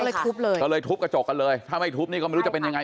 ก็เลยทุบเลยก็เลยทุบกระจกกันเลยถ้าไม่ทุบนี่ก็ไม่รู้จะเป็นยังไง